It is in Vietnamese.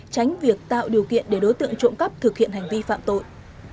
tránh việc tạo điều kiện để đối tượng trộm cắp thực hiện hành vi phạm tội